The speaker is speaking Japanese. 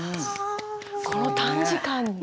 この短時間で。